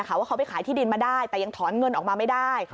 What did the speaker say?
ว่าเขาไปขายที่ดินมาได้แต่ยังถอนเงินออกมาไม่ได้